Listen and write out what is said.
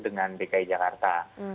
dengan dki jakarta